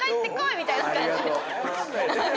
みたいな感じ。